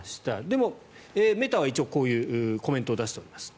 でも、メタは一応こういうコメントを出しています。